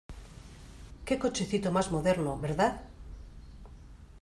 Qué cochecito más moderno, ¿verdad?